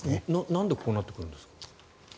なんでこうなってくるんですか？